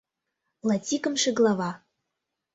Латикымше глава